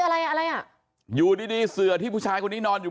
อะไรอะไรอ่ะอยู่ดีดีเสือที่ผู้ชายคนนี้นอนอยู่